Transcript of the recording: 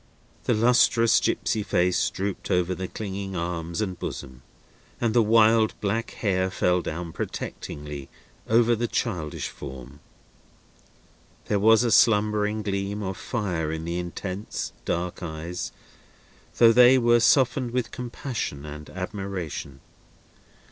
The lustrous gipsy face drooped over the clinging arms and bosom, and the wild black hair fell down protectingly over the childish form. There was a slumbering gleam of fire in the intense dark eyes, though they were then softened with compassion and admiration.